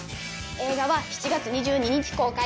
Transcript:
映画は７月２２日公開。